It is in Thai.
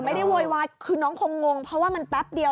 แต่ไม่ได้โวยว่าคือน้องคงงงเพราะว่ามันแป๊บเดียว